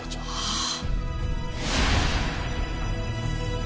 ああ！